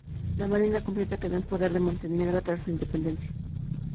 La marina completa quedó en poder de Montenegro tras su independencia.